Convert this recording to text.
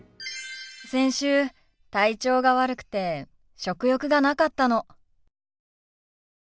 先週体調が悪くて食欲がなかったの。